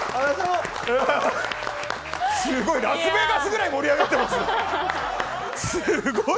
すごい、ラスベガスくらい盛り上がってる！